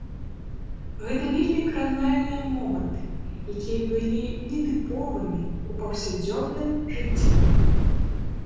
Гэта вельмі кранальныя моманты, якія былі нетыповымі ў паўсядзённым жыцці.